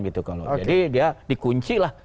jadi dia di kunci lah